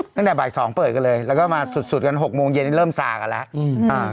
ก็จะเปิดกันเลยแล้วก็มาสุดกัน๖โมงเย็นเริ่มสาขันแล้ว